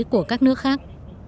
của các nước khác